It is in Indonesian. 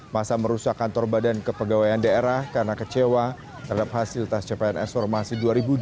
masa merusak kantor badan kepegawaian daerah karena kecewa terhadap hasil tas capaian eksplorasi dua ribu delapan belas